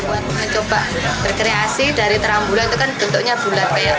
buat mencoba berkreasi dari terang bulan itu kan bentuknya bulan